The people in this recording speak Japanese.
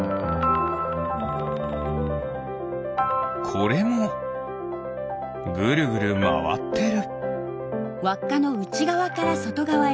これもぐるぐるまわってる。